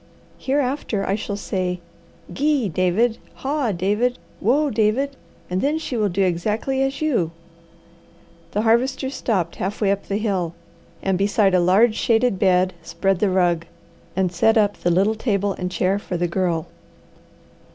"Hereafter I shall say, 'Gee, David,' 'Haw, David,' 'Whoa, David,' and then she will do exactly as you." The Harvester stopped half way up the hill, and beside a large, shaded bed spread the rug, and set up the little table and chair for the Girl.